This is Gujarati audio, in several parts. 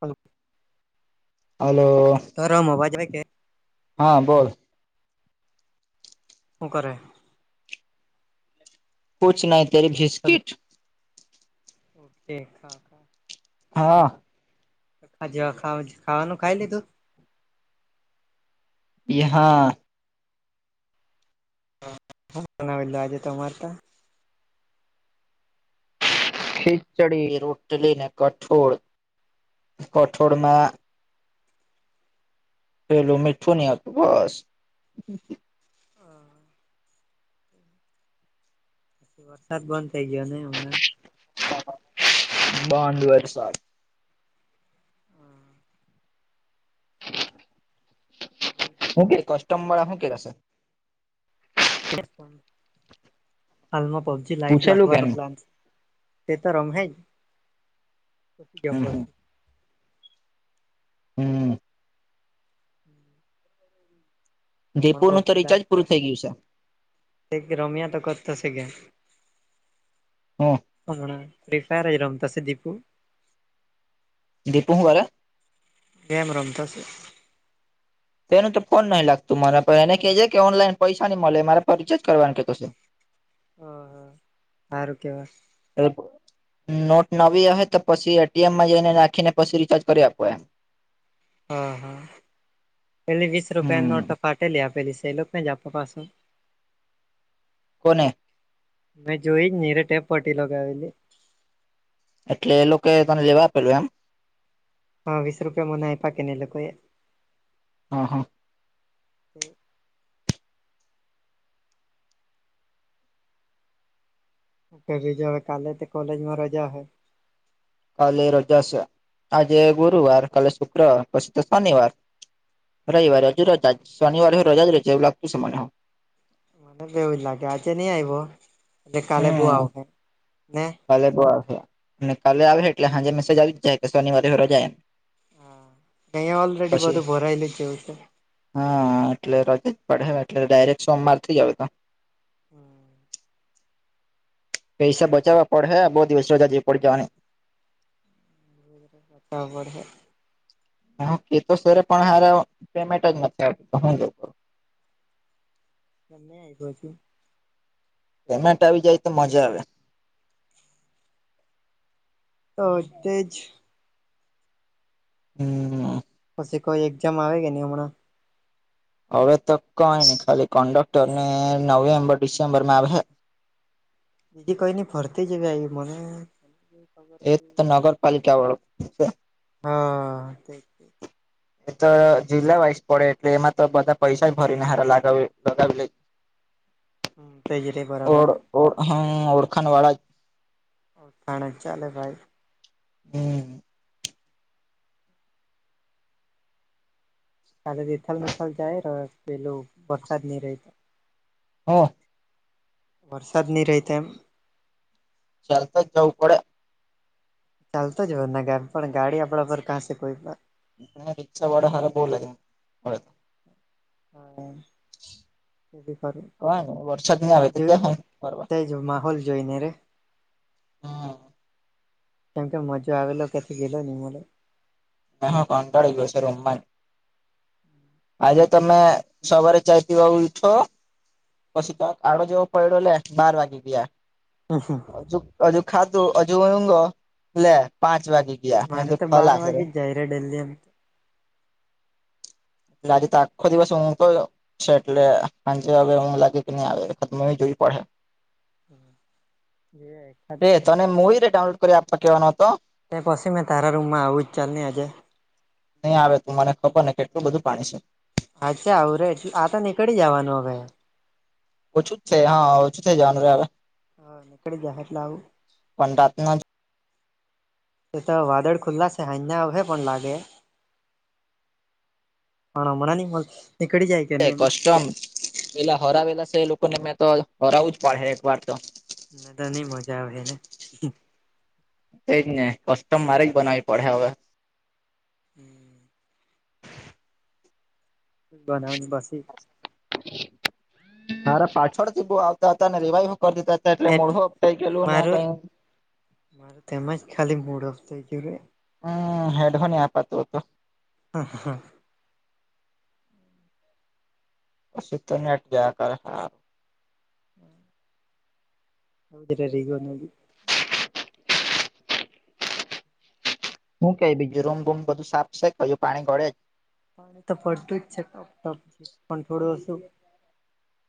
હલો હાલો [unintelligible] હા બોલ! હું કરે? કુચ નહી તેરી હલો બિસ્કીટ ઓકે ખા ખા. હા વા ખાવાનું ખાઈ લીધું [inaudible] હ હા ના આજે તો મારતા ખીચડી રોટલી ને કઠોળ કઠોળમાં પેલું મીઠું નહ હતું બસ હા છી વરસાદ બંધ થઇ ગયો ને હમણાં બંદ વરસાદ બોલ બીજું હું કેય કે કસ્ટમ વાળા હું કેતા છે હાલમાં પબજી લાઈટ પૂછેલું કે લાખવાનો એનું? પ્લાન છે તે તો રમહેજ પસી ગેમ હમ રમસુ હમ હમ જયપુરનું તો રિચાર્જ પૂર થઈ ગયું છે એક રમિયા તો કરતો શે ગેમ હું હમણા ફ્રી ફાયર જ રમતો શે દિપુ દીપું હું કરે ગેમ રમતો શે તેનું તો ફોન નહીં લાગતું મારા ર એને કેજે છે કે ઓનલાઈન પૈસા ની મળે મારા પર રિચાર્જ કરવાનું કેતો છે હહ હારું કેવા એપ નોટ નવી ઓહે તો પછી એટીએમ માં જઈને નાખીને પછી રિચાર્જ કરી આપો એમ હા હા પેલી વીસ રૂપિયા હમ નોટ ફાટેલી આપેલી છે એ લોકનેજ આપુ પાછું કોને મેં જોઈ જ ની રે ટેપ પટી લગાવેલી એટલે એ લોકો તને લેવા આપેલું એમ હા વીસ રૂપિયામાં મને આયપા કેની એલોકોએ હા હા [unintelligible] રજા કાલે તો કોલેજ માં રજા હૈ કાલે રોજા છે આજે ગુરુવાર કાલે શુક્રવાર પછી તો શનિવાર રઇવારે તો રજાજ શનવારે હું રજા જ રેય છે એવું લાગતું શે મનેહો મને બી એવુજ લાગે આજે ની આયવો એટલે કાલે બો હમ આવહે ને કાલે બો આવે અને કાલે આવે એટલે સાંજે મેસેજ આવી જ જાય કે શનિવારે હો રજા એમ હા અહંયા ઓલરેડી પછી બધું ભરાયેલું જેવું છે હા એટલે રજા જ પડહે એટલે ડાયરેક્ટ સોમવાર થી જ હવે તો હમ પૈસા બચાવવા પડહે [unintelligible] બચાવવા પડહે હું કેતો સરે પણ હારા પેમેન્ટ જ નથી આવતું ત હું જેવું કરું [unintelligible] પેમેન્ટ આવી જાય તો મજા આવે હા તેજ હમ પછી કોઈ એક્ઝામ આવે કે ની હમણાં હવે તો કઈની ખાલી કન્ડક્ટર ને નવેમ્બર ડિસેમ્બર માં આવહે બીજી કઈ નઈ ફરતી જેવી આયવી મને ખબર એ હતી તો નગરપાલિકા વાળું છે હા તેજ તેજ [inaudible] એ તો જિલ્લા વાઈઝ પડે એટલે એમાં તો બધા પૈસા જ ભરીને હારા લાગાવ લગાવી લેય તેજ રે ઓ બરાબર ઓ હમ ઓળખાણ વાળા ઓળખાણ જ ચાલે ભાઈ. હમ. ખાલી તિથલ બીથલ જાયે રે પહેલું વરસાદ ની રેય તો. હા. વરસાદ ની રેય તેમ ચાલતા જ જવું પડે. ચાલતો જ બ ના ઘર પણ ગાડી આપણા પરર કાંસે કોઈ રિક્ષા વાલા હ બહુ લે વરસાદ નહી આવે તો જવાય ફરવા જો માહોલ જોઈને રે. હા કેમ કે મજા આવેલો કેથી ગેલો હી મને. હ હા કંટાળી ગયો છે રામ વા આજે તમે સવારે ચઇ પીવા ઉયઠો પછી તોક આડો જેવો પડ્યો લે બાર વાગી ગયા. [unintelligible] હજ અજુ ખાધું અજુંગ લે પાંચ વાગી ગયા મે મારે કીધું તો બાર ખલાસ રે વાગે જ જાય રહ્યા ડેલી એમ તો. એટલે આજે તો આખો દિવસ હું તો છે એટલે સાંજે હવે હું લાગે કે નહી આવે ખતમ એ જોવી પડે એ [unintelligible] તને મૂવી ને ડાઉનલોડ કરી આપવા કહેવાનો હતો. તે પછી મેં તારા રૂમમાં આવું જ ચાલ ને આજે. નહીં આવે તું મને ખબર ને કેટલું બધું પાણી છે. અચ્છા આવું રે એટલે આ નીકળી જવાનું હ હવે. ઓછું છે ત હા ઓછું થઈ જવાનુરે હવે હ નીકળી જાહે એટલે આવું પણ રાતના તે તો વાદળ ખુલ્લા સ હાજના આવહે પણન લાગે હે. પણ હમણાં ની પણ નીકડી જાય કે નહી એમ કસ્ટમ પેલા હરાવેલા છે એ લોકોને મેં તો હરાવું જ પડે એક વાર તો. ના તો નઈ મજા આવે એને. એજ નહી કસ્ટમ મારે જ બનાવી પડે હવે. [unintelligible] બનાનીને બસી. મારા પાછળથી બહુ આવતા હતા ને રિવાઈવો કરી દીધા હતા એ એટલે મોઢો અઈ ગયેું ને કઈ. મારે તેમાં જ ખાલી મડ ઓફ થઈ ગયું. હમ હેડ ફોન આપપતું તો. [unintelligible] પછી તો નેટ જાયા કર હા. હમ [inaudible] હું કે બીજું રૂમ બૂમ બધું સાફ છે કજુ પાણી ગડે જ હ તો પડતું જ છે ટપ ટપ છે પણ થોડું ઓછું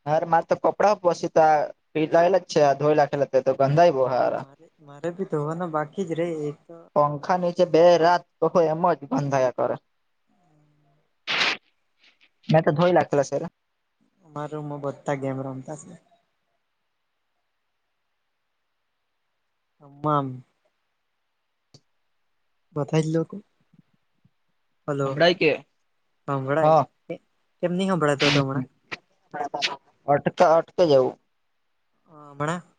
હાર મારે તો કપડાં પછ તો પી લયેલા જ છે ધોઈ લખેલા તો ગંદા બો હારા મારે મારે બી ધોવાના બાકી જ રે એ તો પંખા નીચ બે રાત તો એમ જ બંધાયા કરે. મેં તો ધોય લખેલા છે. મારામાં બધા ગેમ રમતા આમ બતાયજ લોકે હલો હમણાં કે હા હભળાય કેમની હભળાયતો હતો હમણાં અટ અટકે જવું હ [unintelligible]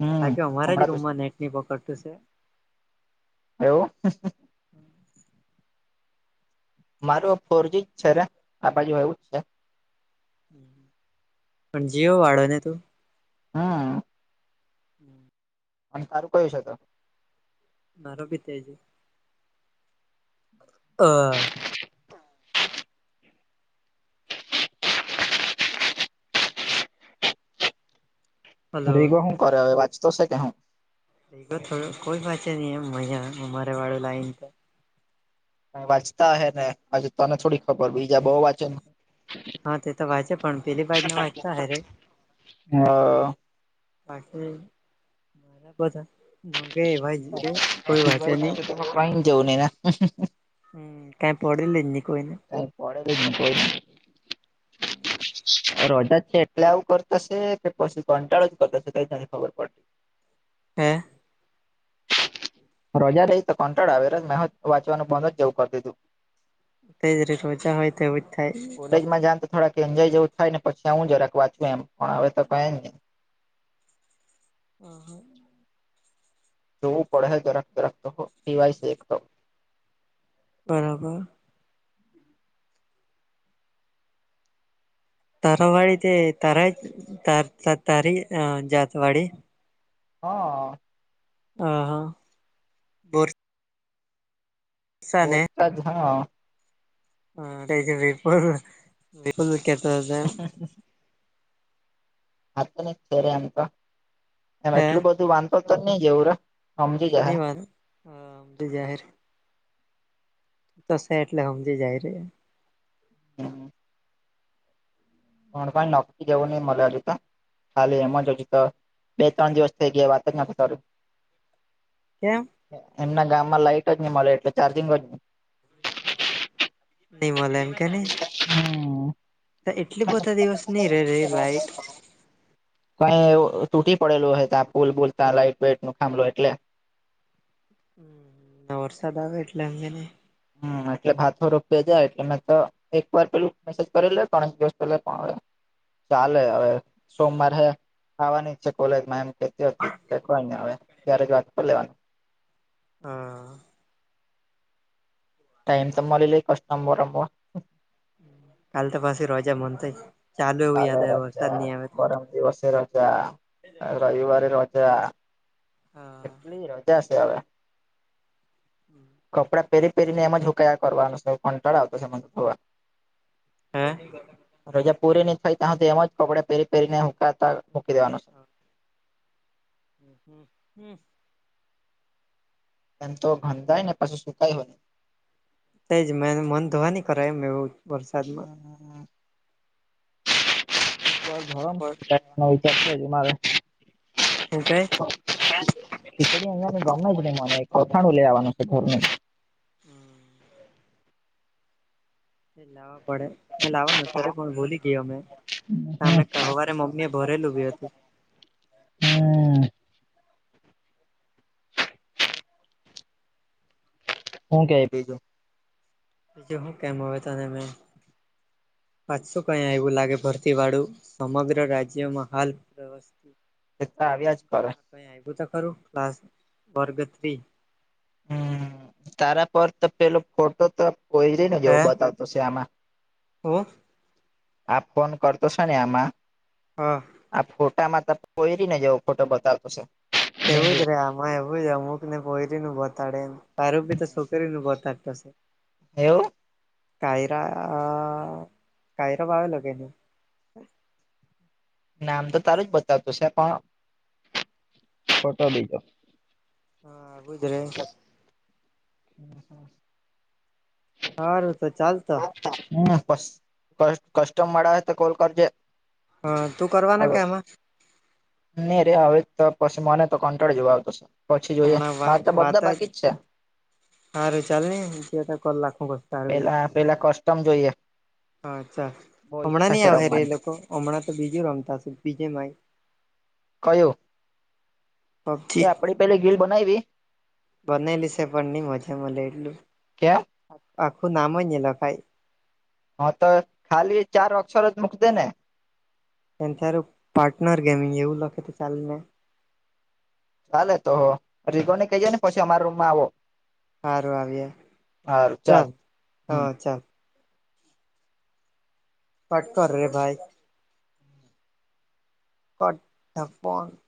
હમ બાકી અમારા જ હમણાં તો રૂમમાં નેટ ની પકડતું સે. એવું મારું ફોરજી જ છે રે આ બાજુ એવું જ છે. પણ જીઓ વાળો ને તુ હા હમ્મ અને તારું કયું છે, તો મારો ભી થ છે. હો હલો રીગો શું કર્યો હવે વાંચતો છે, કે હુ થોડું કોઈ વાંચે નહ એમ મજા અમારે વાળું લાઈન વાંચતા હે ને હજે તને થોડી ખબર બીજા બહુ વાંચન હા તે તો વાપણ પેલી બાજ ના વાંચતા હે રે હા પાછ મારા બધા ન કે એવાય જ રે કોઈ વાચ નહી. કઈ જવું નહી ને હમ કાઈ પડે લ જ નને કોઈને ત પે બે કો રજા છે એટલે આવું કરતાશે કે પછી કંટાળો જ કરતાશે કઈ તને ખબર પડતી હે રજા રહી તો કંટાળ આવે ર મેં વાંવાનું બંધ જ જવું કરી દીધુ તે જ ર રજા હોય તોવું જ થાય. લજમાં જા થોડાક એન્જોય જેવું થાય ને પછી આવું જરાક વાચું એમ પણ હવે તો કને હ હા જોવું પડે દરખત દરખતવાયે તો બરાબર તારવાડી તે તાર ત તારી જતવાડી હા હા હા બર બોતા જ હા હા છે વિપુલ વિુલ કેતા હા તો ન છેે એમ તો એમ હે એટલું બધું વાંધો તો નહી જેવું રે સમજી નહી જાય વાત હમ તો જાહેર તોશે એટલે સમજીે જાય ર્યા હા કો કોઈ નોકરી જવું ન મલા અ ર તો ખાલી એમ જજ તો બે ત્રણ દિવસ થઈ ગયા વાતક ના પતારુ હ્યામ એમના ગામમાં લાઈટ જ નહી, મળે એટલે ચાર્જિંગ જ ન નિમલ એનકે ન હમ્મ એટલી પોતા દિવસ નહી રે ર લાઈટ કઈ એ તૂટી પડેલું હોય, ત પુલ બોલતા લાઈટ વેટ નું ખાંભલું એટલે હમ ના વરસાદ આવે એટલે અંગ હમ એટલે ભાથ રોપી જયા એટલે મેં તો એક વાર પેલું મેસેજ કરેલ હો પણ દિવસ પે ચાલે હવે સોમવારે હ આવવાની જ છે કોલેજમાં એમ કેતીેખવા હવે ત્યારે જ વાત પણ લેવાની હા ટાઈમ સંવા લ કસ્ટ્ટ બ રબ કાલ તો પાછી રજા મનતા કાલે રજા પરમ દિવસે રજા. રવિવારે રજા કેટલી રજા છે હવે. કપડા પહેરી પહેરીને એમ જ હૂકાયા કરવાનું કંટાળ આવતો મ થવા. હે! રજા પૂરી નહીં થાય ત તો એમ જ કપડે પહેરી પહેરીને હકાતા મૂકી દેવાનું છે. હ હ હ! [unintelligible] એમ તો ગંધાય ને પછી સુકાય હોય ને. એજ મે મન ધોવા ન કર એમ એવું. વરસાદમાં [inaudible] [inaudible] હું કેય? ખીચડી અહિયાં તો ગમે જ નહી મને અથાનું લે લવાનું છે. હમ! [unintelligible] લાવવા પડે મેં લાવવા નતો અ કોણ ભૂલી ગયો મેં તમે કહરે મમ્મ. ભરેલું બી હતું. હમ શું કેય છે. [unintelligible] પાચસું કયા એવું લાગે ભરતી વાળું સમગ્ર રાજ્યમાં હાલ. [inaudible] એ તો આવ્યા જ કરે. ક આવ્યું ત ખરું ક્લાસ વર્ગ થ્રી. હમ તારા પર તો પેલો ફોટો તો કોઈ રહીને જોવો બતાવતો છે આમાં. હો? આપ ફોન કરતો છો ને આમાં. હા! આ ફોટામાં તો પોયરીનો જેવો ફોટો બતાવતો છે. એવું બેંગલો જ રે આમાં એવું જ અમુક ને પોરીનો બતાડે એમ. તારુ તો છોકરી નું બતવાતું છે. એવુ? કયરા કયરા ભવે લગેને. [unintelligible] નામ તો તારું જ બતાવતું છે. પણ ફોટો બીજો. હા આજ રે. [inaudible] હારું તો ચાલતો! હમ, કસ્ટમ મળ આવે તો કોલ કરજે. હા, તું કરવાના હવે કે આમાં. નહી રે હવે તો પછી મને તો કંટાળ જવા આવ તો છે. પછી જોઈએ હમણાં વા મારે તો બધા બાકી જ છે. હારુ ચાલ ની જુએ તો કર લખશું બધા તારું બી પેલા પેલા કસ્ટમ જોઈએ. હા અચ્છા બહુ હમણાં ઈચ્છા નહી છે આવે ર એ રમવાની લોકો હમણાં તો બીજું રમતા બીજે માય. કયું? પબજી - આપણી પેલી ગીલ બનાવી- બનેલી છે પણ નઈ મજા મલે એટલું કેમ આખું નામ જ લખાઈ- હા તો ખાલી ચાર અક્ષર જ મુકતે ને- એ તારું પાર્ટનર ગેમિંગ એવું લખે તો ચાલે ને- ચાલે તો જીગોને કહીએ ને પછી અમારા રૂમમાં આવો- સારું આવીએ ચાલ હમ હં ચાલ. કટ કર રે ભાઈ. [unintelligible]